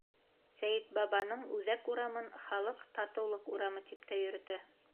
Сәйетбабаның Үҙәк урамын халыҡ Татыулыҡ урамы тип тә йөрөтә.